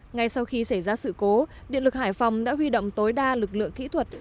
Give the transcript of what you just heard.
ngay sau khi xảy ra sự cố điện lực hải phòng đã huy động tối đa lực lượng kỹ thuật